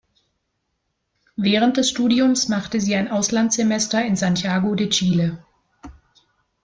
Während des Studiums machte sie ein Auslandssemester in Santiago de Chile.